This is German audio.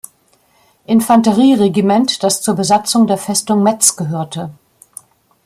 Infanterieregiment, das zur Besatzung der Festung Metz gehörte.